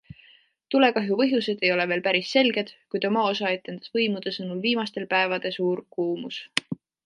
Tulekahju põhjused ei ole veel päris selged, kuid oma osa etendas võimude sõnul viimastel päevade suur kuumus.